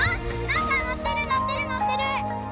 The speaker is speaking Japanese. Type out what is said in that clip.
なんか乗ってる乗ってる乗ってる！